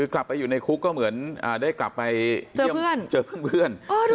กลับไปอยู่ในคุกก็เหมือนได้กลับไปเยี่ยมเจอเพื่อน